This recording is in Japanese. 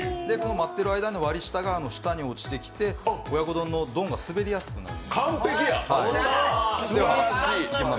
待っている間に割下が下に落ちてきて親子丼の丼が滑りやすくなる。